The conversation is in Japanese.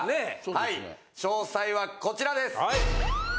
はい詳細はこちらです。